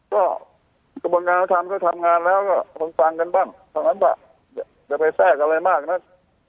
ก็กระบวนการทำก็ทำงานแล้วก็คงฟังกันบ้างเท่านั้นว่าจะไปแทรกอะไรมากนัก